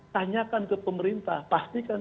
tanyakan ke pemerintah pastikan